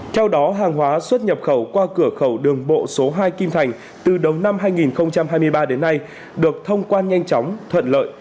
theo đó hàng hóa xuất nhập khẩu qua cửa khẩu đường bộ số hai kim thành từ đầu năm hai nghìn hai mươi ba đến nay được thông quan nhanh chóng thuận lợi